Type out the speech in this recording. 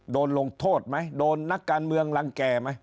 โดนลงโทษมั้ยโดนนักการเมืองรังแก่มั้ย